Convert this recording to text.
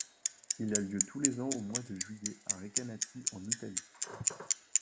Il a lieu tous les ans au mois de juillet à Recanati, en Italie.